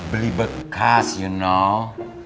beli bekas you know